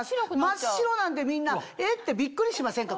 真っ白なんでみんなえ？ってビックリしませんか